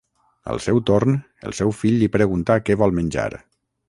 Al seu torn, el seu fill li pregunta què vol menjar.